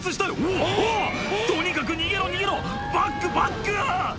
「うわとにかく逃げろ逃げろバックバック！」